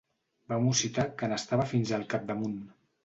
Va mussitar que n'estava fins al capdamunt.